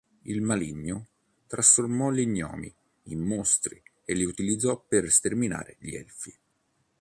Il Maligno trasformò gli Gnomi in mostri e li utilizzò per sterminare gli Elfi.